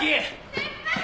先輩！